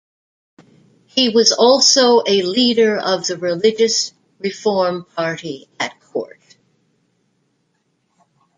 He was also a leader of the religious reform party at court.